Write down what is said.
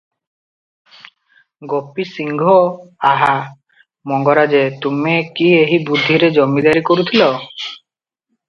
ଗୋପୀ ସିଂହ - "ଆହା ମଙ୍ଗରାଜେ, ତୁମେ କି ଏହି ବୁଦ୍ଧିରେ ଜମିଦାରୀ କରୁଥିଲ?